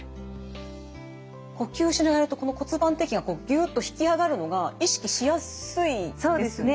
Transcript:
呼吸しながらやるとこの骨盤底筋がこうギュッと引き上がるのが意識しやすいですね。